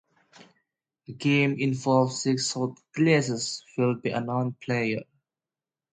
The game involves six shot glasses filled by a non-player.